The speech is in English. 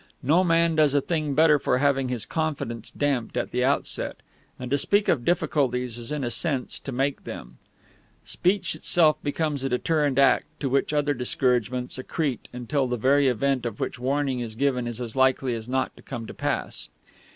No man does a thing better for having his confidence damped at the outset, and to speak of difficulties is in a sense to make them. Speech itself becomes a deterrent act, to which other discouragements accrete until the very event of which warning is given is as likely as not to come to pass.